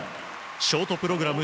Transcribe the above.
ショートプログラム